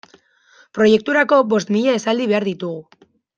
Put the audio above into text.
Proiekturako bost mila esaldi behar ditugu.